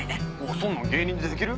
そんなん芸人でできる？